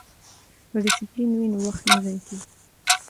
که ډسپلین وي نو وخت نه ضایع کیږي.